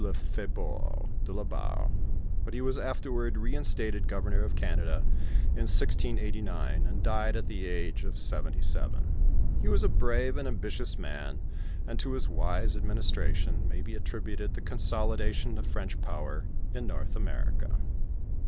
Lefebore de la Barre. But he was afterward re instated governor of Canada in 1689, and died at the age if seventy seven. He was a brave and ambitious man, and to his wise administration may be attributed the consolidation of French power in North America.